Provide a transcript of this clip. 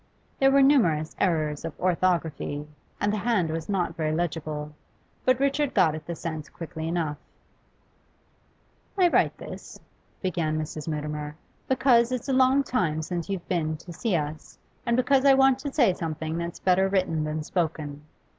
There were numerous errors of orthography, and the hand was not very legible; but Richard got at the sense quickly enough. 'I write this,' began Mrs. Mutimer, 'because it's a long time since you've been to see us, and because I want to say something that's better written than spoken.